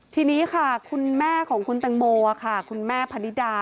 ทีนี้ค่ะคุณแม่ของคุณตังโมค่ะคุณแม่พนิดา